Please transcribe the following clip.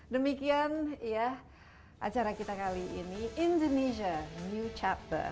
demikian ya acara kita kali ini indonesia new chapter